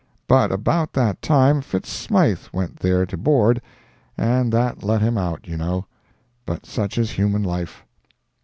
But about that time Fitz Smythe went there to board, and that let him out, you know. But such is human life.